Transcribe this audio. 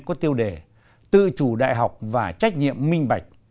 có tiêu đề tự chủ đại học và trách nhiệm minh bạch